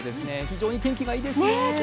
非常に天気がいいですね。